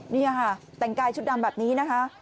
นี่ค่ะแต่งกายชุดดำแบบนี้นะคะ